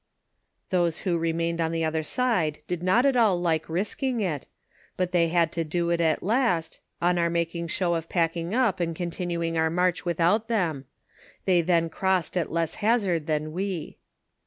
Those who re mained on the other side did not at all like risking it, but they had to do it at last, on our making show of packing up and continuing our march without them ; they then crossed at less hazard than we.